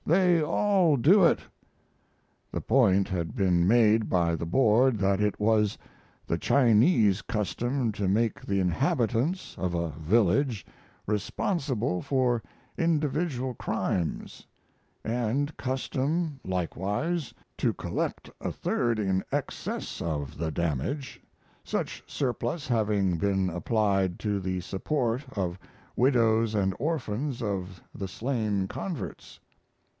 They all do it." [The point had been made by the board that it was the Chinese custom to make the inhabitants of a village responsible for individual crimes; and custom, likewise, to collect a third in excess of the damage, such surplus having been applied to the support of widows and orphans of the slain converts.